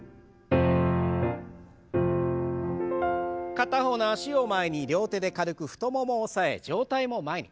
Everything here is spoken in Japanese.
片方の脚を前に両手で軽く太ももを押さえ上体も前に。